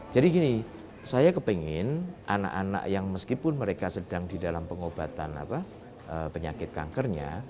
jadi gini saya kepingin anak anak yang meskipun mereka sedang di dalam pengobatan penyakit kankernya